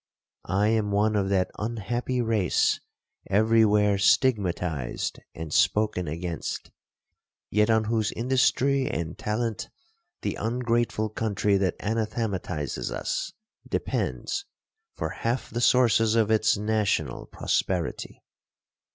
I am one of that unhappy race every where stigmatized and spoken against, yet on whose industry and talent the ungrateful country that anathematizes us, depends for half the sources of its national prosperity.